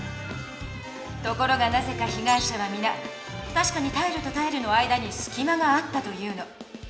ところがなぜかひがい者はみな「たしかにタイルとタイルの間にすきまがあった」と言うの。